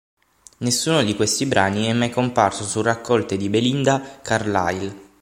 Nessuno di questi brani è mai comparso su raccolte di Belinda Carlisle.